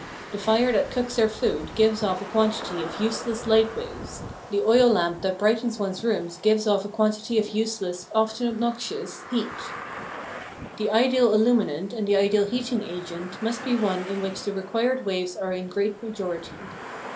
The fire that cooks our food gives off a quantity of useless light waves; the oil lamp that brightens one's rooms gives off a quantity of useless, often obnoxious, heat. The ideal illuminant and the ideal heating agent must be one in which the required waves are in a great majority.